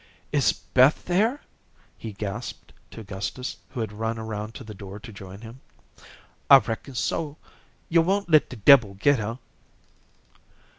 "Is Beth there?" he gasped to Gustus who had run around to the door to join him. "I reckon so. Yo' won't let de debbil get her."